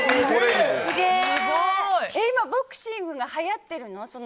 今、ボクシングがはやっているの？